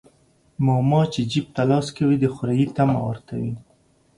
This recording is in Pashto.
ماما چى جيب ته لاس کوى د خورى طعمه ورته وى.